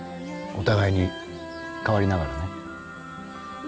お互いに変わりながらね。